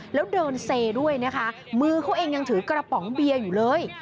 แล้วเดินเซด้วยนะคะมือเขาเองยังถือกระป๋องเบียร์อยู่เลย